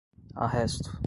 arresto